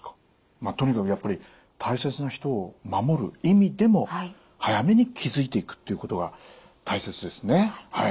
まあとにかくやっぱり大切な人を守る意味でも早めに気付いていくっていうことが大切ですね。